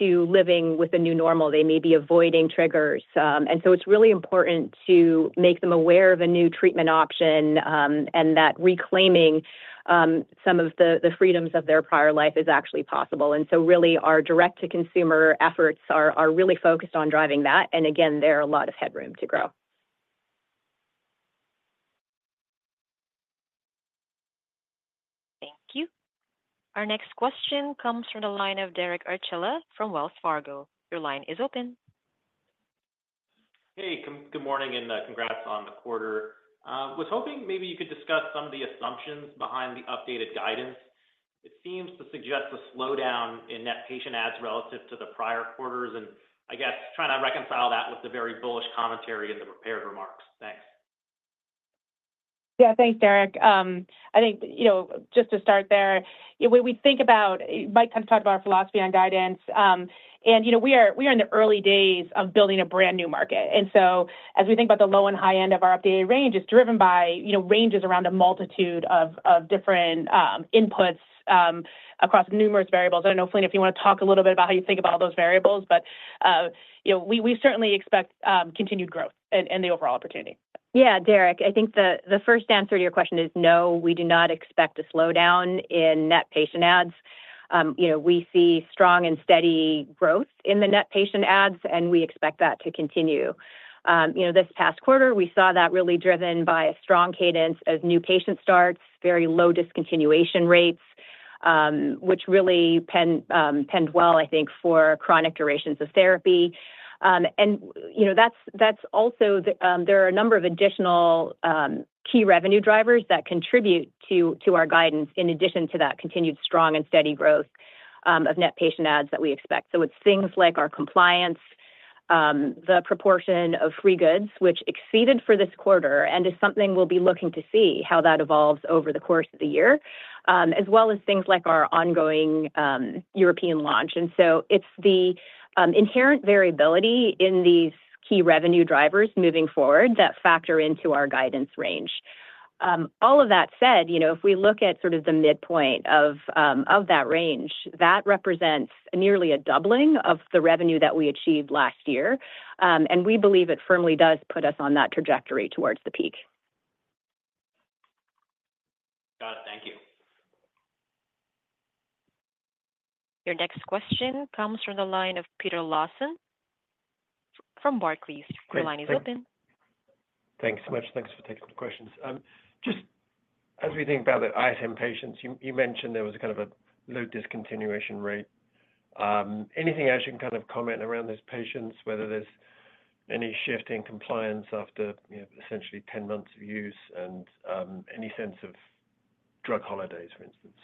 to living with a new normal. They may be avoiding triggers, and so it's really important to make them aware of a new treatment option, and that reclaiming some of the freedoms of their prior life is actually possible. And so really, our direct-to-consumer efforts are really focused on driving that, and again, there are a lot of headroom to grow. Thank you. Our next question comes from the line of Derek Archilla from Wells Fargo. Your line is open. Hey, good morning, and, congrats on the quarter. Was hoping maybe you could discuss some of the assumptions behind the updated guidance. It seems to suggest a slowdown in net patient adds relative to the prior quarters, and I guess trying to reconcile that with the very bullish commentary in the prepared remarks. Thanks. Yeah, thanks, Derek. I think, you know, just to start there, when we think about... Mike kind of talked about our philosophy on guidance, and, you know, we are in the early days of building a brand-new market. And so as we think about the low and high end of our updated range, it's driven by, you know, ranges around a multitude of different inputs across numerous variables. I don't know, Salveen, if you wanna talk a little bit about how you think about all those variables, but, you know, we certainly expect continued growth and the overall opportunity. Yeah, Derek, I think the first answer to your question is no, we do not expect a slowdown in net patient adds. You know, we see strong and steady growth in the net patient adds, and we expect that to continue. You know, this past quarter, we saw that really driven by a strong cadence of new patient starts, very low discontinuation rates, which really bodes well, I think, for chronic durations of therapy. And, you know, that's also the... There are a number of additional key revenue drivers that contribute to our guidance, in addition to that continued strong and steady growth of net patient adds that we expect. So it's things like our compliance, the proportion of free goods, which exceeded for this quarter and is something we'll be looking to see how that evolves over the course of the year, as well as things like our ongoing European launch. And so it's the inherent variability in these key revenue drivers moving forward that factor into our guidance range. All of that said, you know, if we look at sort of the midpoint of that range, that represents nearly a doubling of the revenue that we achieved last year, and we believe it firmly does put us on that trajectory towards the peak. Got it. Thank you. Your next question comes from the line of Peter Lawson from Barclays. Hey, thanks. Your line is open. Thanks so much. Thanks for taking the questions. Just as we think about the ISM patients, you, you mentioned there was kind of a low discontinuation rate. Anything else you can kind of comment around those patients, whether there's any shift in compliance after, you know, essentially 10 months of use and, any sense of drug holidays, for instance?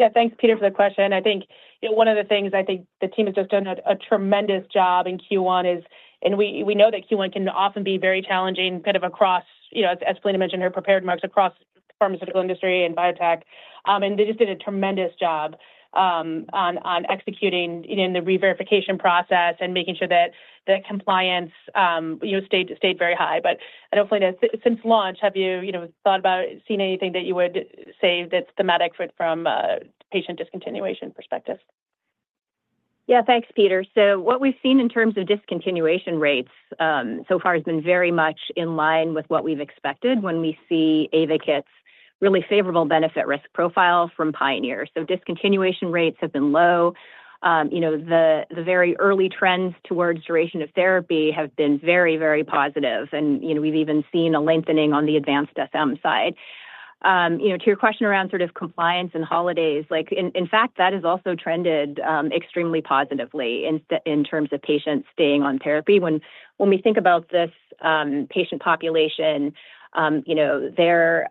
Thank you. Yeah, thanks, Peter, for the question. I think, you know, one of the things I think the team has just done a tremendous job in Q1 is and we know that Q1 can often be very challenging, kind of across, you know, as Philina mentioned in her prepared remarks, across pharmaceutical industry and biotech. And they just did a tremendous job on executing, you know, in the reverification process and making sure that the compliance, you know, stayed very high. But I don't know, Philina, since launch, have you, you know, thought about, seen anything that you would say that's thematic from, from patient discontinuation perspective? Yeah, thanks, Peter. So what we've seen in terms of discontinuation rates so far has been very much in line with what we've expected when we see AYVAKIT's really favorable benefit-risk profile from PIONEER. So discontinuation rates have been low. You know, the very early trends towards duration of therapy have been very, very positive, and, you know, we've even seen a lengthening on the advanced SM side. You know, to your question around sort of compliance and holidays, like, in fact, that has also trended extremely positively in terms of patients staying on therapy. When we think about this patient population, you know, they're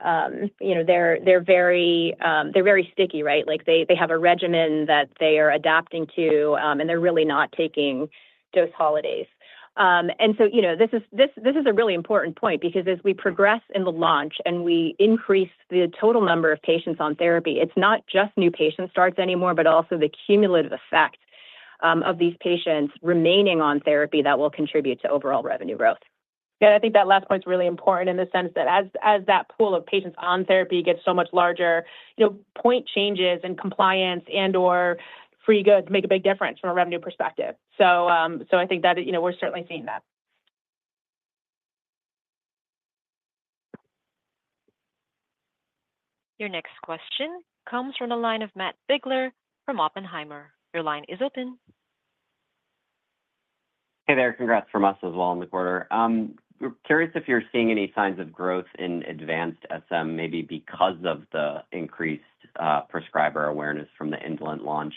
very sticky, right? Like, they have a regimen that they are adapting to, and they're really not taking dose holidays. And so, you know, this is a really important point because as we progress in the launch and we increase the total number of patients on therapy, it's not just new patient starts anymore, but also the cumulative effect of these patients remaining on therapy that will contribute to overall revenue growth. Yeah, I think that last point's really important in the sense that as that pool of patients on therapy gets so much larger, you know, point changes in compliance and/or free goods make a big difference from a revenue perspective. So, I think that, you know, we're certainly seeing that. Your next question comes from the line of Matt Biegler from Oppenheimer. Your line is open. Hey there. Congrats from us as well in the quarter. We're curious if you're seeing any signs of growth in advanced SM, maybe because of the increased prescriber awareness from the indolent launch,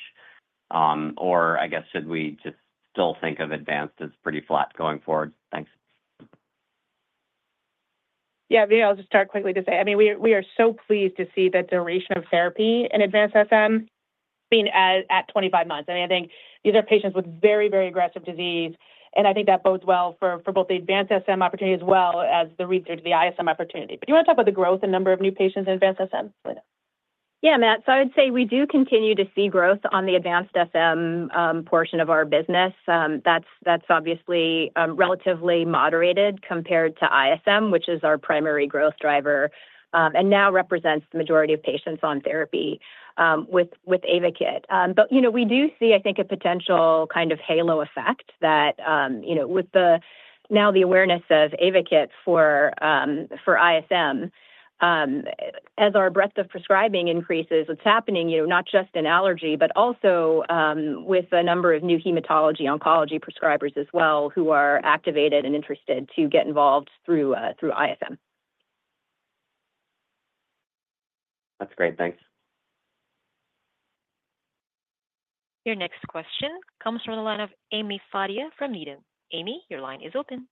or I guess, should we just still think of advanced as pretty flat going forward? Thanks. Yeah, maybe I'll just start quickly to say, I mean, we are so pleased to see the duration of therapy in advanced SM being at 25 months. I mean, I think these are patients with very, very aggressive disease, and I think that bodes well for both the advanced SM opportunity as well as the research, the ISM opportunity. But do you want to talk about the growth and number of new patients in advanced SM, Linda? Yeah, Matt. So I would say we do continue to see growth on the advanced SM portion of our business. That's obviously relatively moderated compared to ISM, which is our primary growth driver, and now represents the majority of patients on therapy with AYVAKIT. But you know, we do see, I think, a potential kind of halo effect that you know, with the now the awareness of AYVAKIT for ISM, as our breadth of prescribing increases, what's happening you know, not just in allergy, but also with a number of new hematology, oncology prescribers as well, who are activated and interested to get involved through ISM. That's great. Thanks. Your next question comes from the line of Ami Fadia from Needham. Ami, your line is open.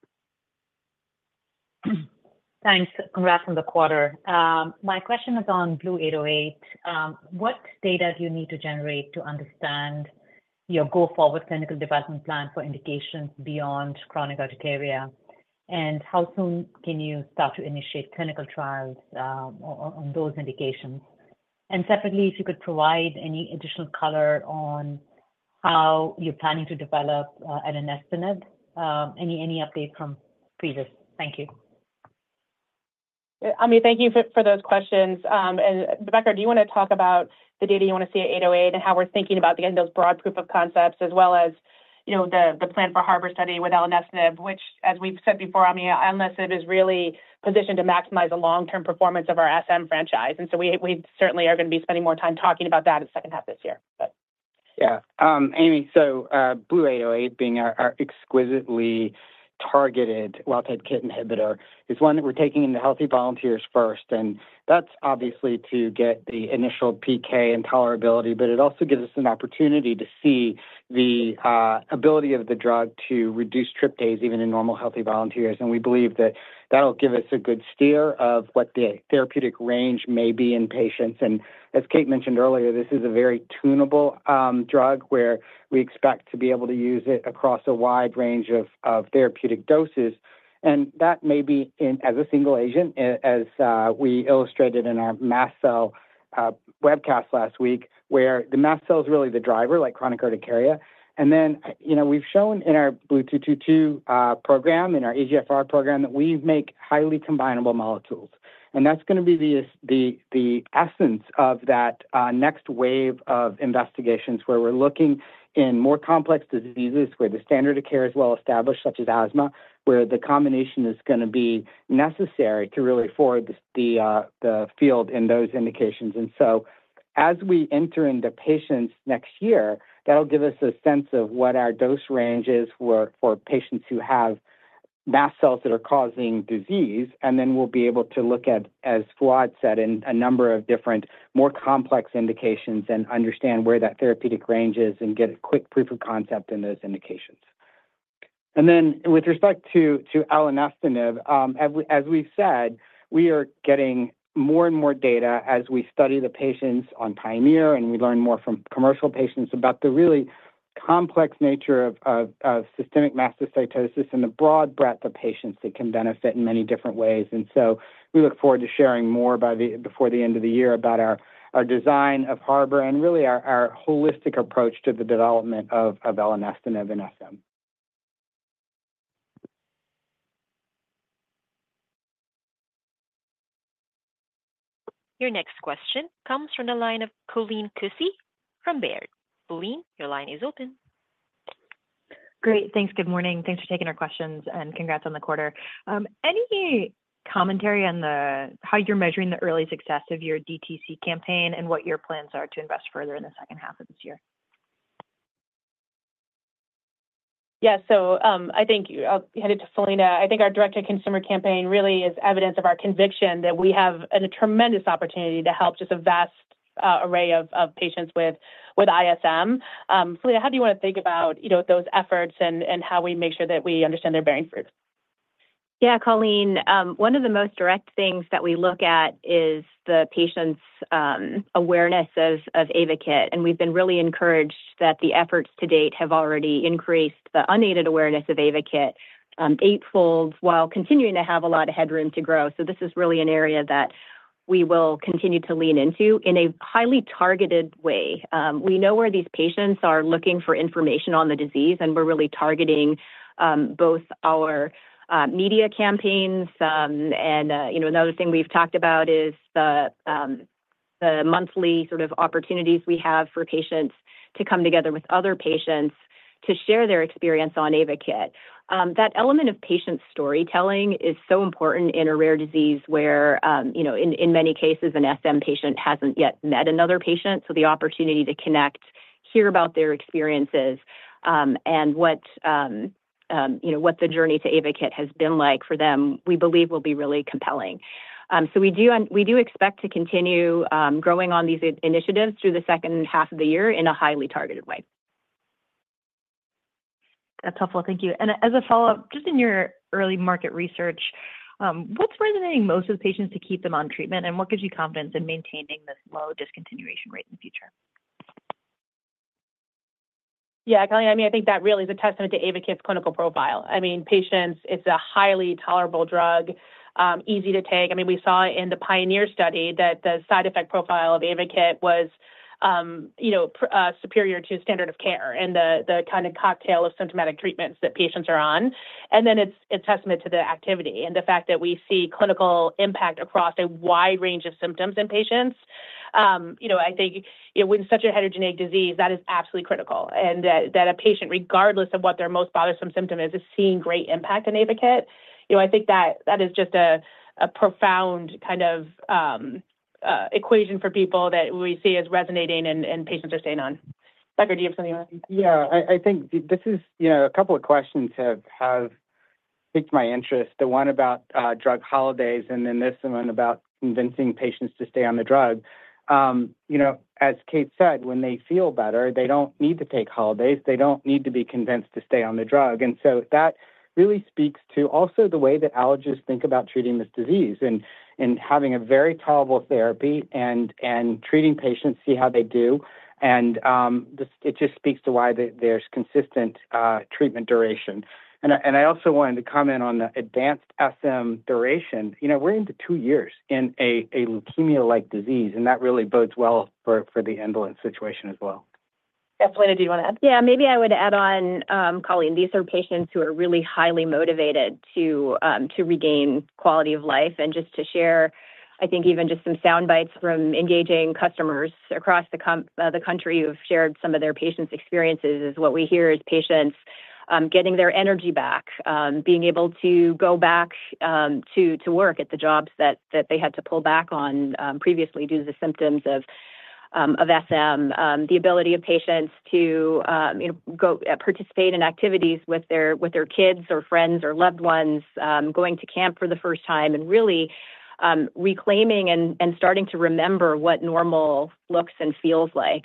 Thanks. Congrats on the quarter. My question is on BLU-808. What data do you need to generate to understand your go-forward clinical development plan for indications beyond chronic urticaria? And how soon can you start to initiate clinical trials on those indications? And separately, if you could provide any additional color on how you're planning to develop elenestinib. Any update from previous? Thank you. Ami, thank you for those questions. And Becker, do you want to talk about the data you want to see at 808 and how we're thinking about getting those broad proof of concepts, as well as, you know, the plan for HARBOR study with elenestinib, which, as we've said before, I mean, elenestinib is really positioned to maximize the long-term performance of our SM franchise. And so we certainly are going to be spending more time talking about that in the second half of this year, but. Yeah. Ami, so, BLU-808 being our exquisitely targeted wild-type KIT inhibitor, is one that we're taking into healthy volunteers first, and that's obviously to get the initial PK and tolerability, but it also gives us an opportunity to see the ability of the drug to reduce tryptase even in normal, healthy volunteers. And we believe that that'll give us a good steer of what the therapeutic range may be in patients. And as Kate mentioned earlier, this is a very tunable drug where we expect to be able to use it across a wide range of therapeutic doses. And that may be in... as a single agent, as we illustrated in our mast cell webcast last week, where the mast cell is really the driver, like chronic urticaria. And then, you know, we've shown in our BLU-222 program, in our EGFR program, that we make highly combinable molecules. And that's gonna be the essence of that next wave of investigations, where we're looking in more complex diseases, where the standard of care is well established, such as asthma, where the combination is gonna be necessary to really forward the field in those indications. And so as we enter in the patients next year, that'll give us a sense of what our dose range is for patients who have mast cells that are causing disease. And then we'll be able to look at, as Fouad said, in a number of different, more complex indications and understand where that therapeutic range is and get a quick proof of concept in those indications. And then with respect to elenestinib, as we've said, we are getting more and more data as we study the patients on PIONEER, and we learn more from commercial patients about the really complex nature of systemic mastocytosis and the broad breadth of patients that can benefit in many different ways. And so we look forward to sharing more before the end of the year about our design of HARBOR and really our holistic approach to the development of elenestinib and SM. Your next question comes from the line of Colleen Kusy from Baird. Colleen, your line is open. Great. Thanks. Good morning. Thanks for taking our questions, and congrats on the quarter. Any commentary on the, how you're measuring the early success of your DTC campaign and what your plans are to invest further in the second half of this year? Yeah, so, I think I'll hand it to Philina. I think our direct-to-consumer campaign really is evidence of our conviction that we have a tremendous opportunity to help just a vast array of patients with ISM. Selena, how do you wanna think about, you know, those efforts and how we make sure that we understand their bearing fruits? Yeah, Colleen, one of the most direct things that we look at is the patients' awareness of AYVAKIT, and we've been really encouraged that the efforts to date have already increased the unaided awareness of AYVAKIT eightfold, while continuing to have a lot of headroom to grow. So this is really an area that we will continue to lean into in a highly targeted way. We know where these patients are looking for information on the disease, and we're really targeting both our media campaigns, and you know, another thing we've talked about is the monthly sort of opportunities we have for patients to come together with other patients to share their experience on AYVAKIT. That element of patient storytelling is so important in a rare disease where, you know, in many cases, an SM patient hasn't yet met another patient. So the opportunity to connect, hear about their experiences, and you know, what the journey to AYVAKIT has been like for them, we believe will be really compelling. So we do expect to continue growing on these initiatives through the second half of the year in a highly targeted way. That's helpful, thank you. As a follow-up, just in your early market research, what's resonating most with patients to keep them on treatment, and what gives you confidence in maintaining this low discontinuation rate in the future? Yeah, Colleen, I mean, I think that really is a testament to AYVAKIT's clinical profile. I mean, patients, it's a highly tolerable drug, easy to take. I mean, we saw in the PIONEER study that the side effect profile of AYVAKIT was, you know, superior to standard of care and the kind of cocktail of symptomatic treatments that patients are on. And then it's a testament to the activity and the fact that we see clinical impact across a wide range of symptoms in patients. You know, I think, you know, with such a heterogeneous disease, that is absolutely critical, and that a patient, regardless of what their most bothersome symptom is, is seeing great impact in AYVAKIT. You know, I think that is just a profound kind of equation for people that we see as resonating and patients are staying on. Becker, do you have something you wanna add? Yeah, I think this is... You know, a couple of questions have piqued my interest, the one about drug holidays and then this one about convincing patients to stay on the drug. You know, as Kate said, when they feel better, they don't need to take holidays, they don't need to be convinced to stay on the drug. And so that really speaks to also the way that allergists think about treating this disease and having a very tolerable therapy and treating patients, see how they do, and this—it just speaks to why there's consistent treatment duration. And I also wanted to comment on the advanced SM duration. You know, we're into two years in a leukemia-like disease, and that really bodes well for the indolent situation as well. Yeah, Philina, do you wanna add? Yeah, maybe I would add on, Colleen, these are patients who are really highly motivated to regain quality of life. And just to share, I think even just some soundbites from engaging customers across the country who have shared some of their patients' experiences is, what we hear is patients getting their energy back, being able to go back to work at the jobs that they had to pull back on previously due to symptoms of SM. The ability of patients to, you know, go participate in activities with their kids, or friends, or loved ones, going to camp for the first time, and really reclaiming and starting to remember what normal looks and feels like.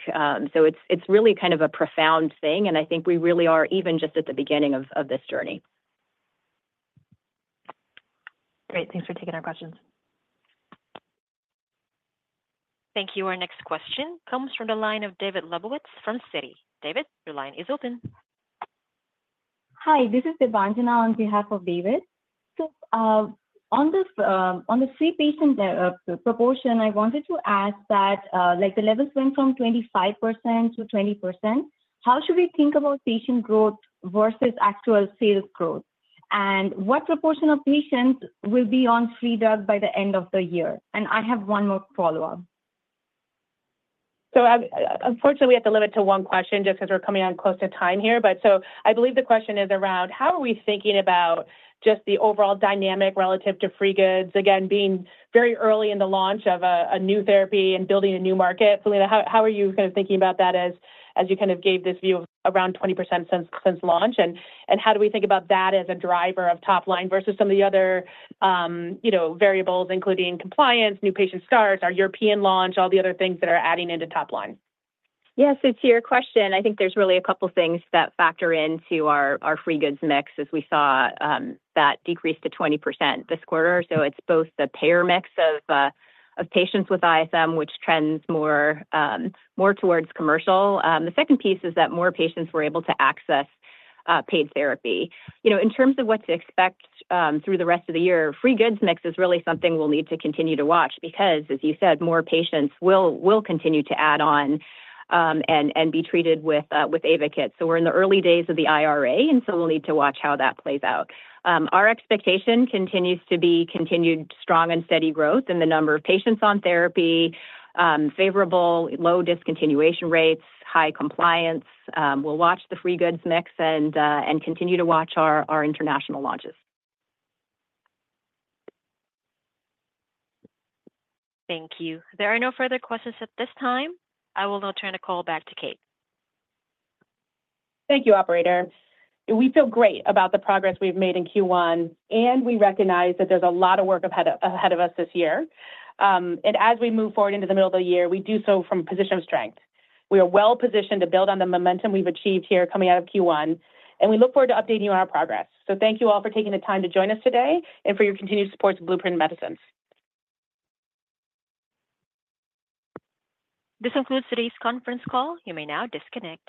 So it's really kind of a profound thing, and I think we really are even just at the beginning of this journey. Great. Thanks for taking our questions. Thank you. Our next question comes from the line of David Lebowitz from Citi. David, your line is open. Hi, this is Vandana on behalf of David. So, on the free patient proportion, I wanted to ask that, like, the levels went from 25% to 20%. How should we think about patient growth versus actual sales growth? And what proportion of patients will be on free drug by the end of the year? And I have one more follow-up. Unfortunately, we have to limit to one question just 'cause we're coming on close to time here. But I believe the question is around: How are we thinking about just the overall dynamic relative to free goods? Again, being very early in the launch of a new therapy and building a new market, Selena, how are you kind of thinking about that as you kind of gave this view of around 20% since launch? And how do we think about that as a driver of top line versus some of the other, you know, variables, including compliance, new patient starts, our European launch, all the other things that are adding into top line? Yeah, so to your question, I think there's really a couple things that factor into our free goods mix, as we saw, that decrease to 20% this quarter. So it's both the payer mix of patients with ISM, which trends more towards commercial. The second piece is that more patients were able to access paid therapy. You know, in terms of what to expect, through the rest of the year, free goods mix is really something we'll need to continue to watch, because, as you said, more patients will continue to add on and be treated with AYVAKIT. So we're in the early days of the IRA, and so we'll need to watch how that plays out. Our expectation continues to be continued strong and steady growth in the number of patients on therapy, favorable low discontinuation rates, high compliance. We'll watch the free goods mix and continue to watch our international launches. Thank you. There are no further questions at this time. I will now turn the call back to Kate. Thank you, operator. We feel great about the progress we've made in Q1, and we recognize that there's a lot of work up ahead of us this year. And as we move forward into the middle of the year, we do so from a position of strength. We are well positioned to build on the momentum we've achieved here coming out of Q1, and we look forward to updating you on our progress. So thank you all for taking the time to join us today and for your continued support to Blueprint Medicines. This concludes today's conference call. You may now disconnect.